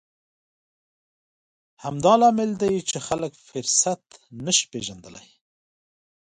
همدا لامل دی چې خلک فرصت نه شي پېژندلی.